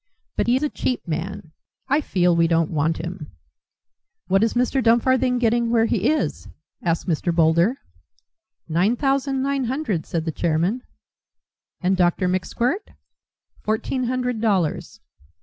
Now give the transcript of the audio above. But he's a cheap man. I feel we don't want him." "What is Mr. Dumfarthing getting where he is?" asked Mr. Boulder. "Nine thousand nine hundred," said the chairman. "And Dr. McSkwirt?" "Fourteen hundred dollars."